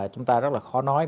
chúng ta rất là khó nói